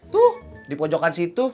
tuh di pojokan situ